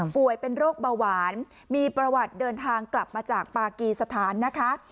ป่วยเป็นโรคเบาหวานมีประวัติเดินทางกลับมาจากปากีสถานนะคะ